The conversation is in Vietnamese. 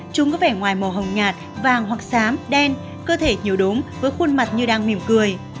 chúng có vẻ ngoài màu hồng nhạt vàng hoặc sám đen cơ thể nhiều đốm với khuôn mặt như đang mỉm cười